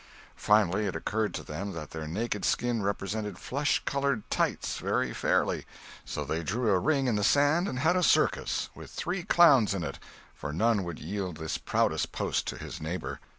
Finally it occurred to them that their naked skin represented flesh colored "tights" very fairly; so they drew a ring in the sand and had a circus—with three clowns in it, for none would yield this proudest post to his neighbor.